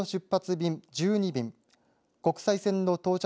便１２便、国際線の到着